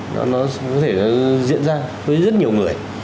nó có thể diễn ra với rất nhiều người